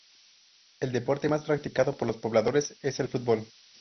El deporte más practicado por los pobladores es el fútbol.